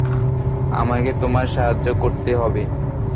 আমাকে তোমার সাহায্য করতে হবে।